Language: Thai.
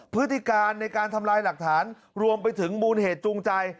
พฤติการในการทำลายหลักฐานรวมไปถึงมูลเหตุจูงใจ